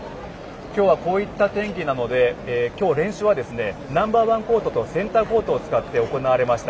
今日はこういった天気なので今日、練習はナンバーワンコートとセンターコートを使って行われました。